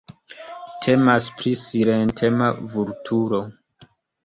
Temas pri silentema vulturo.